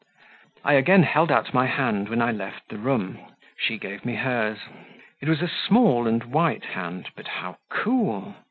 I again held out my hand when I left the room, she gave me hers; it was a small and white hand, but how cool!